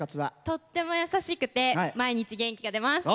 とっても優しくて毎日、元気が出ます。